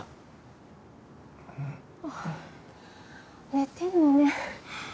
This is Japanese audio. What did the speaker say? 寝てるのね。